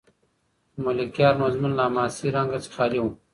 د ملکیار مضمون له حماسي رنګ څخه خالي و.